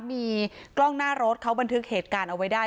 มีกล้องหน้ารถเขาบันทึกเหตุการณ์เอาไว้ได้